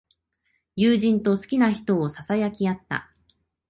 友人と好きな人をささやき合った。